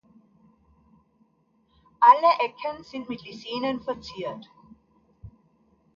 Alle Ecken sind mit Lisenen verziert.